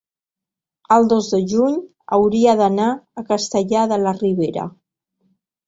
el dos de juny hauria d'anar a Castellar de la Ribera.